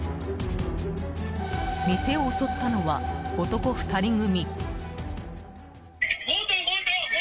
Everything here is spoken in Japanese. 店を襲ったのは男２人組。